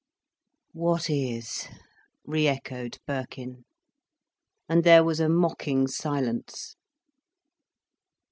"What is?" re echoed Birkin. And there was a mocking silence.